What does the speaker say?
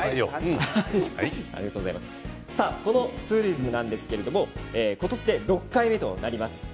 このツーリズムは今年で６回目となります。